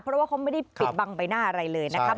เพราะว่าเขาไม่ได้ปิดบังใบหน้าอะไรเลยนะครับ